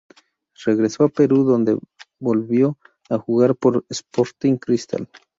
Regresó a Perú donde volvió a jugar por Sporting Cristal.